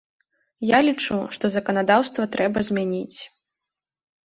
Я лічу, што заканадаўства трэба змяніць.